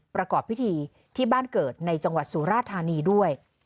ประกอบพิธีที่บ้านเกิดในจังหวัดสุราธานีด้วย